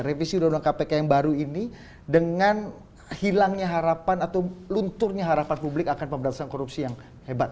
revisi undang undang kpk yang baru ini dengan hilangnya harapan atau lunturnya harapan publik akan pemberantasan korupsi yang hebat